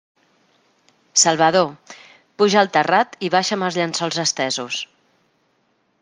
Salvador, puja al terrat i baixa'm els llençols estesos!